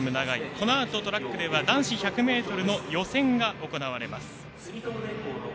このあとトラックでは男子１００ｍの予選が行われます。